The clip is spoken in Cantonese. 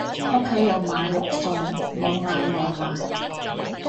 屋企有買落餸，冇嗌外賣